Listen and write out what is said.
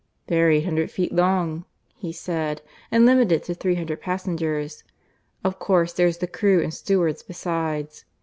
"They are eight hundred feet long," he said, "and limited to three hundred passengers. Of course there's the crew and stewards besides.